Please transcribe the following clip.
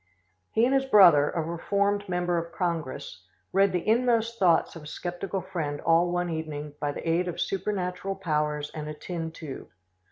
He and his brother, a reformed member of Congress, read the inmost thoughts of a skeptical friend all one evening by the aid of supernatural powers and a tin tube.